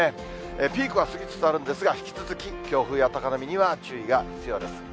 ピークは過ぎつつあるんですが、引き続き強風や高波には注意が必要です。